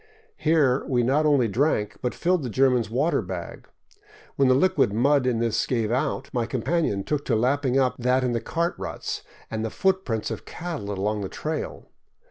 Here we not only drank, but filled the German's water bag. When the liquid mud in this gave out, my companion took to lapping up that in the cart ruts and the footprints of cattle along the trail.